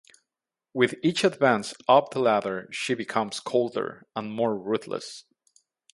With each advance up the ladder, she becomes colder and more ruthless.